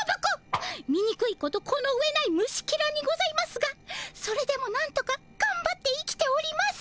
みにくいことこの上ない虫ケラにございますがそれでもなんとかがんばって生きております！